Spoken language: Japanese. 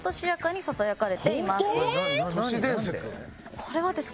これはですね